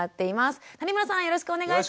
よろしくお願いします。